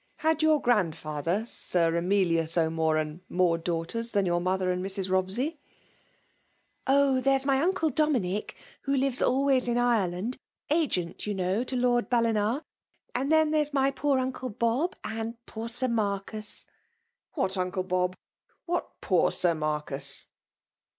Had your grandfiUher Sir Emilias O^Moran more dangh ters than your mother and Mrs. Bobsey P* '' Oh ! there is my uncle Dominick, who lives always in Ireland ;— agent, you know, to Lord Bailing; — and then there is my poor uncle Bol>, and poor Sir Marcus." "What uncle Bob? — ^what poor Sir Mar* cus?"